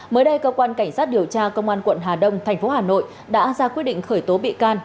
mới đây cơ quan cảnh sát điều tra công an quận hà đông tp hà nội đã ra quyết định khởi tố bị can